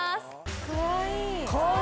かわいい！